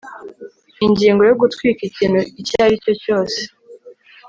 ingingo yo gutwika ikintu icyo ari cyo cyose